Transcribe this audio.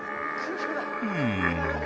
うん。